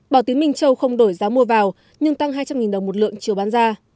bảo tín minh châu không đổi giá mua vào nhưng tăng hai trăm linh đồng một lượng chiều bán ra